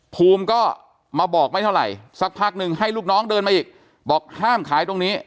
ภูมิก็มาบอกไม่เท่าไหร่สักพักนึงให้ลูกน้องเดินมาอีกบอกห้ามขายตรงนี้